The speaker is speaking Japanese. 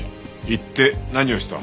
行って何をした？